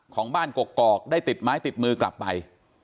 ของบ้านกกอกได้ติดไม้ติดมือกลับไป